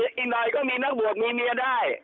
อีกหน่อยก็มีนักบวชมีเมียได้